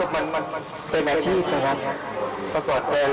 จะเป็นมาค่ะเติม